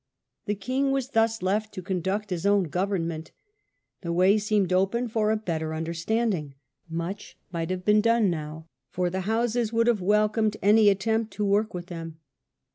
The king was thus left to conduct his own government. The way seemed open for a better understanding. Much might have been done now, for the Houses would have wel comed any attempt to work with them.